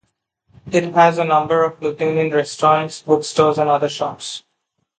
It has a number of Lithuanian restaurants, bookstores, and other shops.